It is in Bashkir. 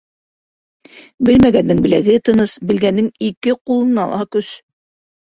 Белмәгәндең беләге тыныс, белгәндең ике ҡулына ла көс.